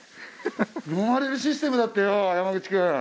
のまれるシステムだってよ山口くん。